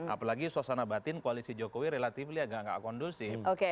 apalagi suasana batin koalisi jokowi relatifnya nggak kondusif